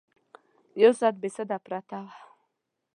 یو ساعت بې سده پرته وه.